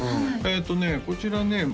えっとねこちらね